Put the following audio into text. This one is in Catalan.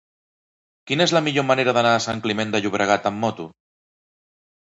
Quina és la millor manera d'anar a Sant Climent de Llobregat amb moto?